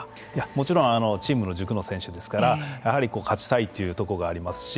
もちろんチームの軸の選手ですからやはり勝ちたいというとこがありますし。